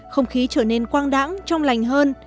không khí trở nên quang đẳng trong lành hơn